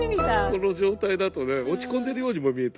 この状態だとね落ち込んでるようにも見えた。